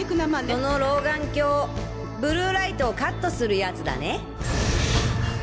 その老眼鏡ブルーライトをカットするヤツだね！